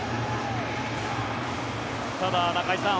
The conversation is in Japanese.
ただ、中居さん